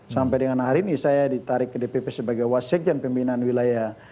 sampai dengan hari ini saya ditarik ke dpp sebagai wasekjen pembinaan wilayah